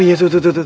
oh iya tuh tuh tuh